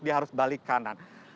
dia harus balik kanan